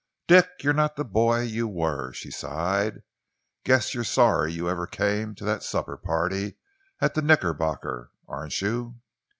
"Dick, you're not the boy you were," she sighed. "Guess you're sorry you ever came to that supper party at the Knickerbocker, aren't you?"